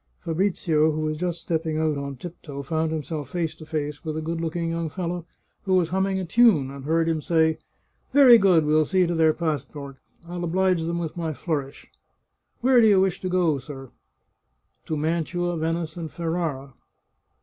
Fabrizio, who was just stepping out on tiptoe, found himself face to face with a good looking young fellow, who was humming a tune, and heard him say, " Very good. We'll see to their passport. I'll oblige them with my flourish." " Where do you wish to go, sir ?"" To Mantua, Venice, and Ferrara."